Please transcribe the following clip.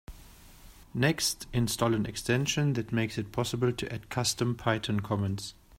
Next, install an extension that makes it possible to add custom Python commands.